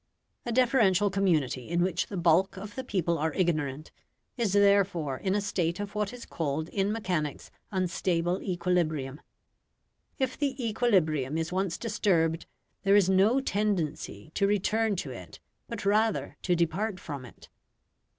A deferential community in which the bulk of the people are ignorant, is therefore in a state of what is called in mechanics unstable equilibrium. If the equilibrium is once disturbed there is no tendency to return to it, but rather to depart from it.